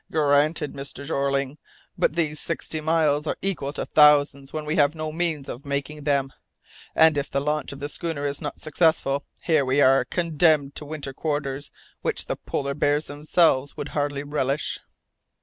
"Granted, Mr. Jeorling, but these sixty miles are equal to thousands when we have no means of making them! And if the launch of the schooner is not successful, here are we condemned to winter quarters which the polar bears themselves would hardly relish!"